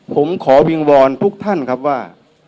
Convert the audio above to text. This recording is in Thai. ผมขอวิงวอนทุกท่านครับว่า